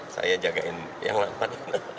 saya jagain yang lapan